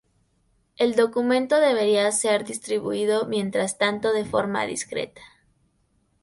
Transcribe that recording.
El documento debería ser distribuido mientras tanto de forma discreta.